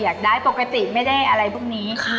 อยากได้ปกติไม่ได้อะไรพวกนี้